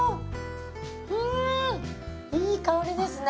うんいい香りですね。